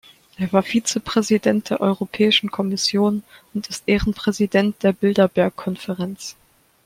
Er war Vizepräsident der Europäischen Kommission und ist Ehrenpräsident der Bilderberg-Konferenz.